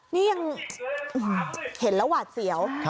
นี่ยังเห็นแล้วหวาดเสียว